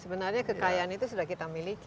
sebenarnya kekayaan itu sudah kita miliki